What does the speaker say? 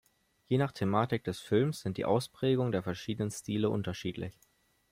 Je nach Thematik des Films sind die Ausprägungen der verschiedenen Stile unterschiedlich.